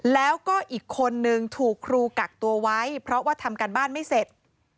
แล้วก็อีกคนนึงถูกครูกักตัวไว้เพราะว่าทำการบ้านไม่เสร็จ